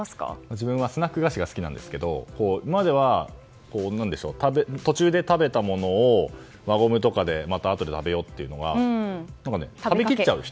自分はスナック菓子が好きなんですけど今までは、途中で食べたものを輪ゴムとかでまたあとで食べようというのが１袋食べきっちゃう。